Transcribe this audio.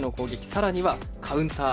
さらには、カウンター。